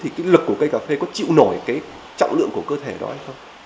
thì cái lực của cây cà phê có chịu nổi cái trọng lượng của cơ thể đó hay không